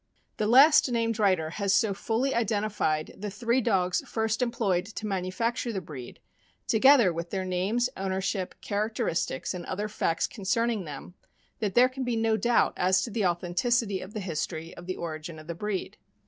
The last named writer has so fully identified the three dogs first employed to manufacture the breed, together with their names, ownership, characteristics, and other facts concerning them, that there can be no doubt as to the authenticity of the history of the origin of the breed.